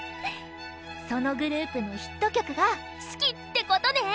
そのグループのヒット曲が「四季」ってことね！